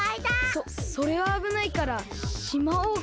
そそれはあぶないからしまおうか。